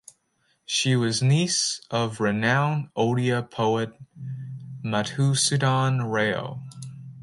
She was niece of renowned Odia poet Madhusudan Rao.